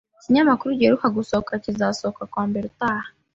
Ikinyamakuru giheruka gusohoka kizasohoka kuwa mbere utaha.